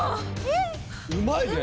うまいね！